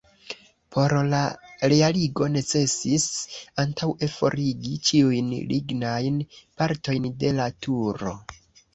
Por la realigo necesis antaŭe forigi ĉiujn lignajn partojn de la turo.